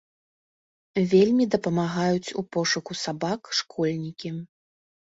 Вельмі дапамагаюць у пошуку сабак школьнікі.